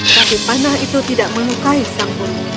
tapi panah itu tidak melukai sang bulu